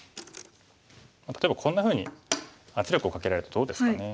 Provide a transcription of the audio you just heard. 例えばこんなふうに圧力をかけられるとどうですかね。